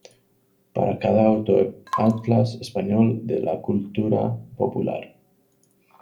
Para cada autor: "Atlas español de la Cultura Popular.